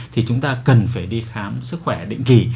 thì chúng ta cần phải đi khám sức khỏe định kỳ